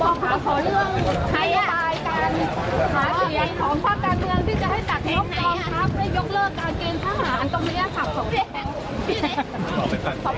ไปยกเลิกการเกณฑ์ทหารตรงเนี้ยครับผมขอบคุณค่ะขออีกกี่เพลง